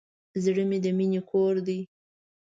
زړه د مینې کور دی.